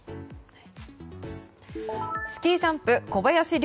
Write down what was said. スキージャンプ小林陵